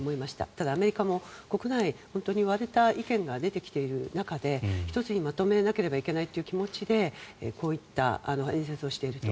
ただ、アメリカも国内本当に割れた意見が出てきている中で１つにまとめなければいけないという気持ちでこういった演説をしていると。